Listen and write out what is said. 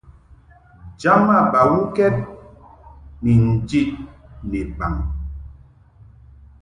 Jama bawukɛd ni njid ni baŋ.